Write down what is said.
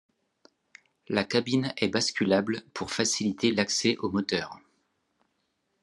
La cabine est basculable pour faciliter l'accès au moteur.